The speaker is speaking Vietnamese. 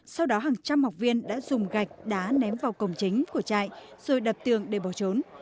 sau đó hàng trăm học viên đã dùng gạch đá ném vào cổng chính của trại rồi đập tường để bỏ trốn